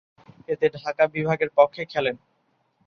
এতে ঢাকা বিভাগের পক্ষে খেলেন।